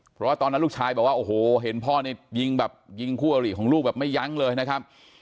เพราะว่าตอนนั้นลูกชายบอกว่าโอ้โหเห็นพ่อนี่ยิงแบบยิงคู่อริของลูกแบบไม่ยั้งเลยนะครับ